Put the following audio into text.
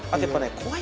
怖い？